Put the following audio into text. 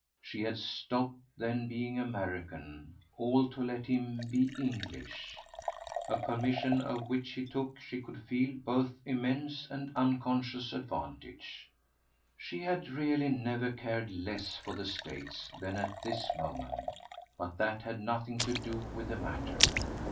She had stopped then being American all to let him be English; a permission of which he took, she could feel, both immense and unconscious advantage. She had really never cared less for the States than at this moment; but that had nothing to do with the matter.